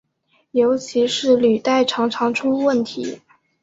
尤其是履带常常出问题。